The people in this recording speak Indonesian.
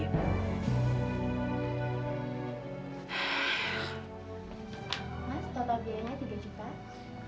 mas total biayanya tiga juta